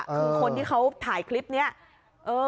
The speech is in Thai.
คือคนที่เขาถ่ายคลิปนี้